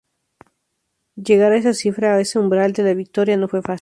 Llegar a esa cifra, a ese umbral de la victoria, no fue fácil.